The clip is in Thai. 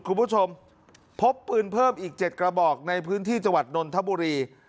คุณผู้ชมพบปืนเพิ่มอีก๗กระบอกในพื้นที่จังหวัดนนทบุรี